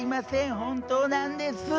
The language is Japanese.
本当なんです。